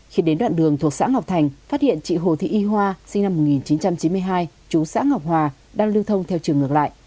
khi đến đoạn đường thuộc xã ngọc thành phát hiện chị hồ thị y hoa sinh năm một nghìn chín trăm chín mươi hai chú xã ngọc hòa đang lưu thông theo chiều ngược lại